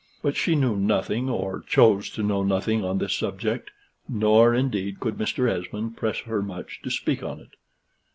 But she knew nothing, or chose to know nothing, on this subject, nor, indeed, could Mr. Esmond press her much to speak on it.